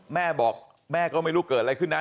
แม่บอกแม่ก็ไม่รู้เกิดอะไรขึ้นนะ